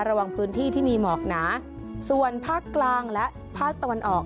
ระวังพื้นที่ที่มีหมอกหนาส่วนภาคกลางและภาคตะวันออก